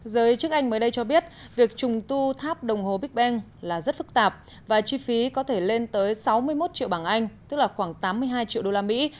giới chức anh mới đây cho biết việc trùng tu tháp đồng hồ big beng là rất phức tạp và chi phí có thể lên tới sáu mươi một triệu bảng anh tức là khoảng tám mươi hai triệu đô la mỹ